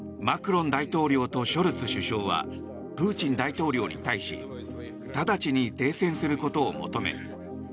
マクロン大統領とショルツ首相はプーチン大統領に対し直ちに停戦することを求め